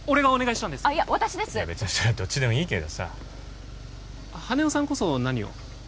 いや別にそれはどっちでもいいけどさ羽男さんこそ何を？